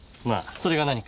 それが何か？